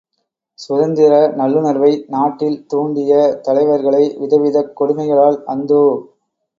சுதந்திர நல்லுணர்வை நாட்டில் தூண்டிய தலைவர்களை விதவிதக் கொடுமைகளால் அந்தோ!